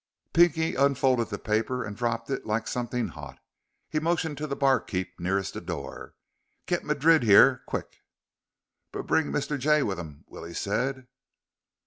Pinky unfolded the paper and dropped it like something hot. He motioned to the barkeep nearest the door. "Get Madrid here! Quick!" "B bring Mr. Jay with him," Willie said.